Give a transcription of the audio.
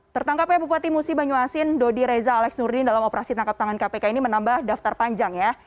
tertangkapnya bupati musi banyuasin dodi reza alex nurdin dalam operasi tangkap tangan kpk ini menambah daftar panjang ya